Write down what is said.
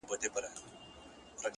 د زده کړې عمر محدود نه دی.!